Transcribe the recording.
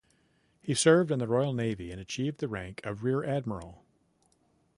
He served in the Royal Navy and achieved the rank of Rear-Admiral.